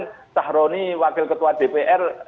dan sahroni wakil ketua dpr